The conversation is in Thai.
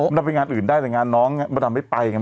มันต้องไปงานอื่นได้แต่งานน้องมันทำไม่ไป